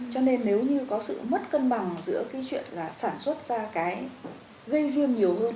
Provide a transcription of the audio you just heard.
cho nên nếu như có sự mất cân bằng giữa cái chuyện là sản xuất ra cái gây viêm nhiều hơn